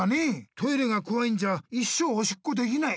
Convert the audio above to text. トイレがこわいんじゃ一生おしっこできない。